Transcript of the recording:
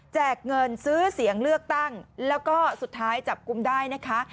เงินซื้อเสียงเลือกตั้งแล้วก็สุดท้ายจับกุมได้นะคะ